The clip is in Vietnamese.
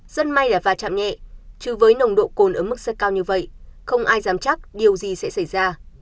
rất may là va chạm nhẹ chứ với nồng độ cồn ở mức rất cao như vậy không ai dám chắc điều gì sẽ xảy ra